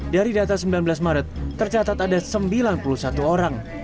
dari data sembilan belas maret tercatat ada sembilan puluh satu orang